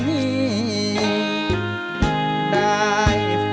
เกิดจอดหน่อยละครับ